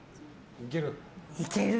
いける？